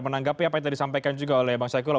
menanggapi apa yang tadi disampaikan juga oleh bang saikul